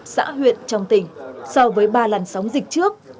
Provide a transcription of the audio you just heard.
xã huyện trong tỉnh so với ba làn sóng dịch trước